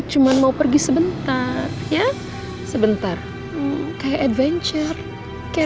cuma mau pergi sebentar ya sebentar kayak adventure kayak